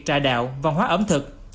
trà đạo văn hóa ẩm thực